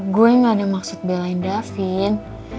gue gak ada maksud belain david